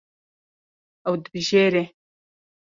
Ew dibijêre.